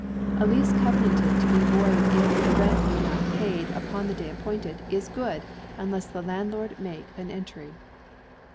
A lease covenanted to be void if the rent be not paid upon the day appointed, is good, unless the landlord make an entry.